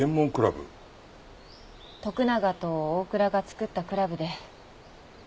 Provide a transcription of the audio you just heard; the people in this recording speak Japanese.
徳永と大倉が作ったクラブで。